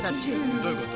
どういうこと？